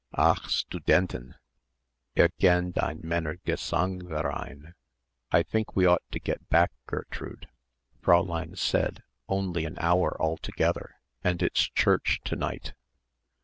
"Ach Studenten!" "Irgend ein Männergesangverein." "I think we ought to get back, Gertrude. Fräulein said only an hour altogether and it's church to night."